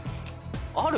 ある？